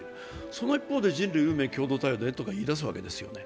その一方で人類運命共同体とか言い出すわけですよね。